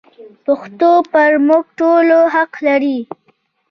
پښتو پر موږ ټولو حق لري.